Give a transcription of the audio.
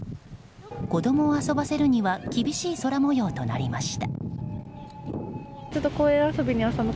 子供を遊ばせるには厳しい空模様となりました。